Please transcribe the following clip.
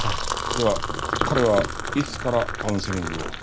では彼はいつからカウンセリングを？